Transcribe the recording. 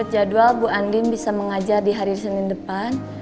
jadwal bu andin bisa mengajar di hari senin depan